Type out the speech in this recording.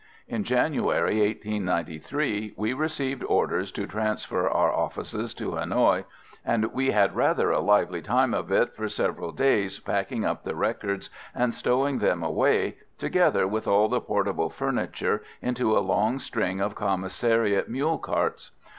In January, 1893, we received orders to transfer our offices to Hanoï, and we had rather a lively time of it for several days packing up the records and stowing them away, together with all the portable furniture, into a long string of commissariat mule carts.